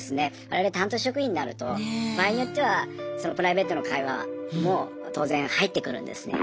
我々担当職員になると場合によってはプライベートの会話も当然入ってくるんですね。